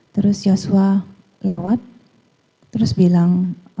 terus yosua lewat terus bilang